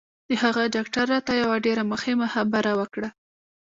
د هغه ډاکتر راته یوه ډېره مهمه خبره وکړه